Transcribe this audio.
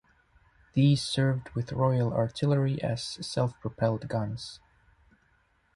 These served with Royal Artillery as self-propelled guns.